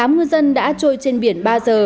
tám ngư dân đã trôi trên biển ba giờ